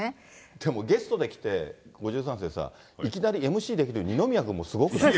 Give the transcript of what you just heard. でもゲストで来て、５３世さ、いきなりＭＣができる二宮君もすごくない？